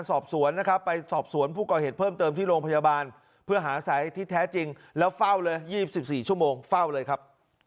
แล้วเฝ้าเลย๒๔ชั่วโมงเฝ้าเลยครับ